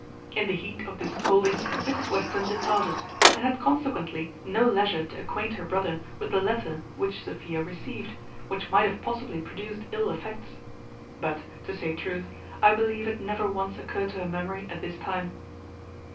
In the heat of this scolding Mrs Western departed, and had consequently no leisure to acquaint her brother with the letter which Sophia received, which might have possibly produced ill effects; but, to say truth, I believe it never once occurred to her memory at this time.